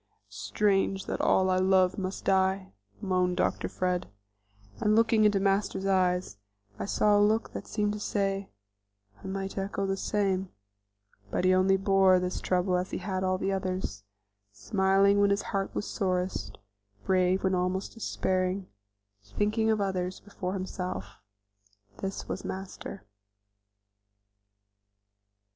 "Strange that all I love must die!" moaned Dr. Fred; and looking in Master's eyes I saw a look that seemed to say, "I might echo the same," but he only bore this trouble as he had all the others, smiling when his heart was sorest; brave when almost despairing; thinking of others before himself this was Master.